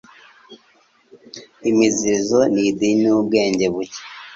Imiziririzo ni idini yubwenge buke.